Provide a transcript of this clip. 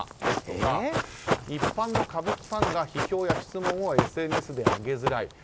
ですとか一般の歌舞伎ファンが批評や質問をＳＮＳで上げづらい。